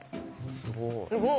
すごい。